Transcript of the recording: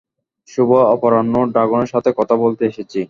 শুভ অপরাহ্ন, ড্রাগনের সাথে কথা বলতে এসেছি।